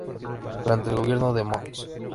Durante el gobierno de mons.